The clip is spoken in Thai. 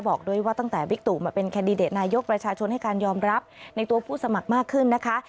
บอกด้วยว่าตั้งแต่บิ๊กตุมาเป็นแคนดิเดตนายกประชาชนให้การยอมรับในตัวผู้สมัครมากขึ้นนะคะ